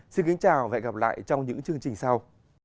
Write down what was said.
xin kính chào và hẹn gặp lại trong những chương trình sau